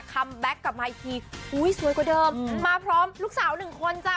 แบ็คกลับมาอีกทีอุ้ยสวยกว่าเดิมมาพร้อมลูกสาวหนึ่งคนจ้ะ